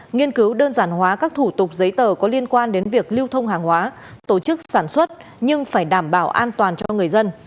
nghiên cứu đơn giản hóa các thủ tục giấy tờ có liên quan đến việc lưu thông hàng hóa tổ chức sản xuất nhưng phải đảm bảo an toàn cho người dân